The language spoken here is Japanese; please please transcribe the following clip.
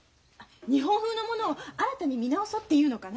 日本風のものを新たに見直そうっていうのかな。